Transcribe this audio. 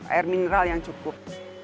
air mineral yang cukup